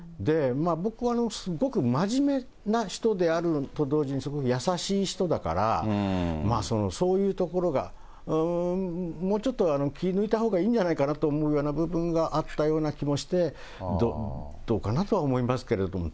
僕はすごく真面目な人であると同時に、すごく優しい人だから、そういうところが、もうちょっと気抜いたほうがいいんじゃないかなと思うような部分があったような気もして、どうかなとは思いますけれども。